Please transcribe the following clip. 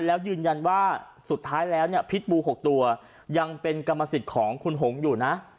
แล้วยืนยันว่าสุดท้ายแล้วเนี่ยพิษบู๖ตัวยังเป็นกรรมสิทธิ์ของคุณหงอยู่นะ